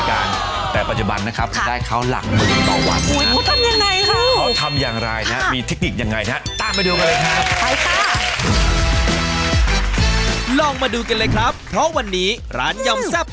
แค่จันทร์ละ๒๐บาท